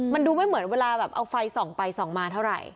มันดูไม่เหมือนเวลาแบบเอาไฟส่องไปส่องมาเท่าไหร่